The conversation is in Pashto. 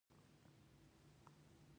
له دوی نه راپاڅېدم او موټروانانو ته راغلم.